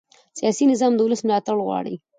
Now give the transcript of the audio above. سیاسي نظام د ولس ملاتړ غواړي